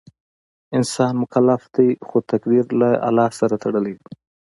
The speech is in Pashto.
انسان مکلف دی خو تقدیر له الله سره تړلی دی.